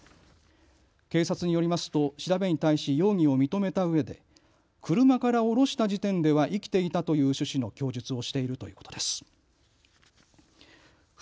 警察によりますと調べに対し容疑を認めたうえで車から降ろした時点では生きていたという趣旨の供述をしているということです。